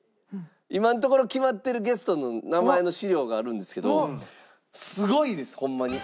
今のところ決まってるゲストの名前の資料があるんですけどすごいです！ホンマに。